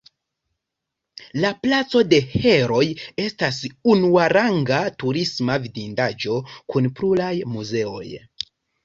La Placo de Herooj estas unuaranga turisma vidindaĵo kun pluraj muzeoj.